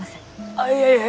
あいえいえ